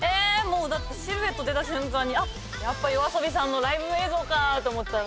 だってシルエット出た瞬間にやっぱＹＯＡＳＯＢＩさんのライブ映像かと思ったんで。